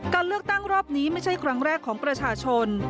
การเลือกตั้งรอบนี้ไม่ใช่ครั้งแรกของประชาชน